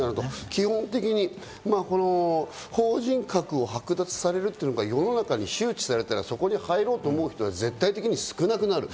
基本的に法人格を剥奪されるというのが世の中に周知されたら、そこに入ろうと思う人が絶対的に少なくなる。